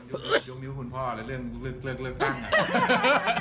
มีมตินะครับในบัตรเลือกตั้ง